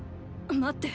待って。